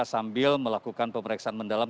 sambil melakukan pemeriksaan mendalam